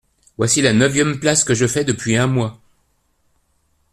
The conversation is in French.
Voici la neuvième place que je fais depuis un mois.